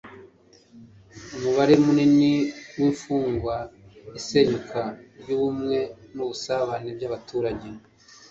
umubare munini w'imfungwa, isenyuka ry'ubumwe n'ubusabane by'abaturage